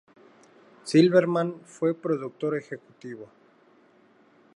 Silverman fue productor ejecutivo.